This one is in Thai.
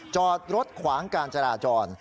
จอดรถขวางการจราจร